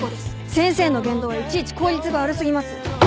先生の言動はいちいち効率が悪すぎます。